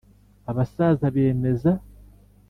Abasaza bemeza